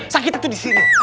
sakit itu di sini